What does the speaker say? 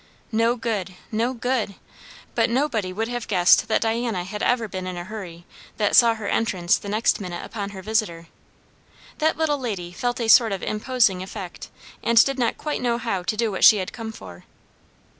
No good! no good! But nobody would have guessed that Diana had ever been in a hurry, that saw her entrance the next minute upon her visitor. That little lady felt a sort of imposing effect, and did not quite know how to do what she had come for.